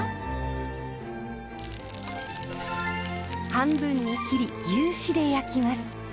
半分に切り牛脂で焼きます。